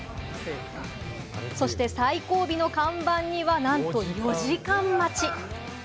そして、最後尾の看板にはなんと４時間待ち！